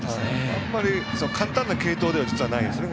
あんまり簡単な継投ではないんですね